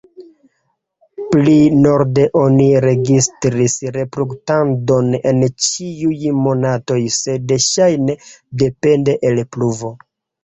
Pli norde oni registris reproduktadon en ĉiuj monatoj, sed ŝajne depende el pluvo.